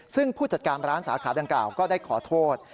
ซึ่งผู้จัดการร้านสาขาดังกล่าวก็ได้ขอโทษ